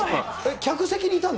客席にいたの？